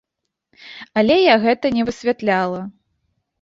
Але я гэта не высвятляла.